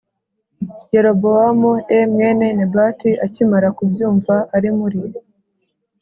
Yerobowamu e mwene nebati akimara kubyumva ari muri